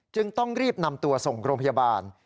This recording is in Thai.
จึงต้องรีบนำตัวส่งโรงพยาบาล